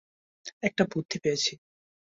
একটা বুদ্ধি পেয়েছি।